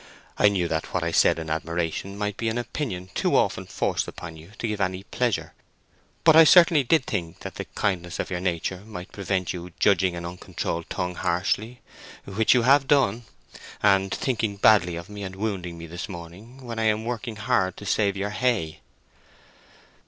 I knew that what I said in admiration might be an opinion too often forced upon you to give any pleasure, but I certainly did think that the kindness of your nature might prevent you judging an uncontrolled tongue harshly—which you have done—and thinking badly of me and wounding me this morning, when I am working hard to save your hay."